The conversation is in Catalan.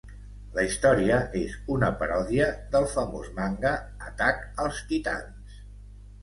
La història és una paròdia, del famós manga, Atac als Titans.